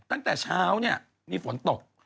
ตั้งแต่เช้าเนี่ยมีฝนตก